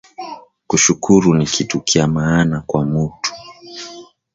Ku shukuru ni kitu kya maana kwa mutu